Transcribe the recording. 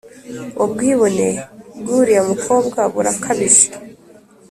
ubwibone bw’ uriya mukobwa burakabije.